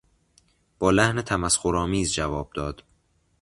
با لحن تمسخرآمیز جواب داد.